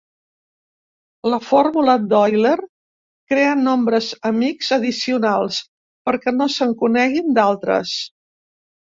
La fórmula d'Euler crea nombres amics addicionals perquè no se'n coneguin d'altres.